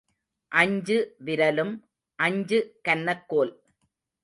அஞ்சு விரலும் அஞ்சு கன்னக் கோல்.